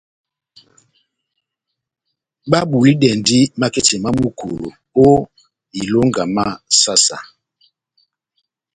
Babulidɛndi maketi má Mukolo ó ilonga má saha-saha.